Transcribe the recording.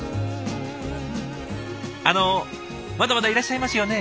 あのまだまだいらっしゃいますよね？